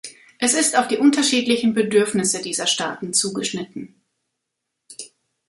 Es ist auf die unterschiedlichen Bedürfnisse dieser Staaten zugeschnitten.